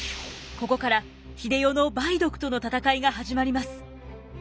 ここから英世の梅毒との闘いが始まります。